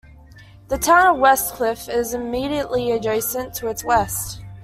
The town of Westcliffe is immediately adjacent to its west.